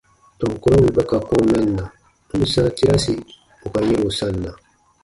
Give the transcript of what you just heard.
Tɔn kurɔ wì ba ka kɔ̃ɔ mɛnna, n ǹ sãa tiraasi ù ka yɛ̃ro sanna.